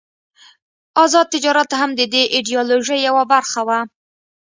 آزاد تجارت هم د دې ایډیالوژۍ یوه برخه وه.